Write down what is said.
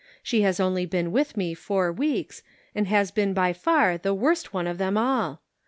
She has only been with me four weeks, and has been by far the worst one of them all.